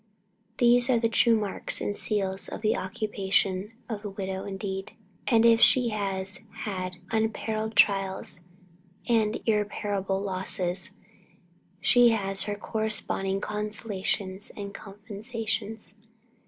These are the true marks and seals and occupations of a widow indeed. And if she has had unparalleled trials and irreparable losses, she has her corresponding consolations and compensations.